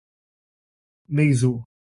Meizu